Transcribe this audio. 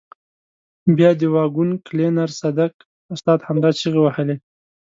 بیا د واګون کلینر صدک استاد همدا چیغې وهلې.